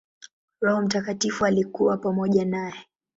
Roho Mtakatifu alikuwa pamoja naye.